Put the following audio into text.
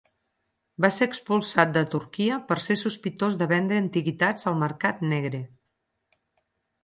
Va ser expulsat de Turquia per ser sospitós de vendre antiguitats al mercat negre.